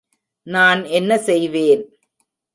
நான் என்ன செய்வேன்.